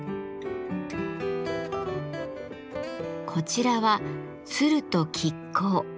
こちらは「鶴と亀甲」。